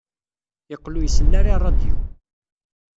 Yeqqel ur isell ara i ṛṛadyu.